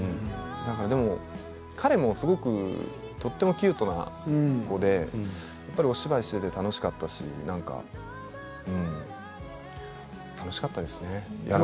でも、彼もすごくとってもキュートな子でお芝居をしていて楽しかったし楽しかったですね。